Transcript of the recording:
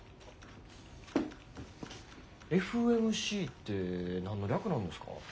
ＦＭＣって何の略なんですか？